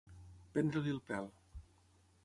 Prendre-li el pèl.